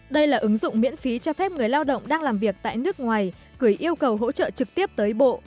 đây là ứng dụng miễn phí cho phép người lao động đang làm việc tại nước ngoài gửi yêu cầu hỗ trợ trực tiếp tới bộ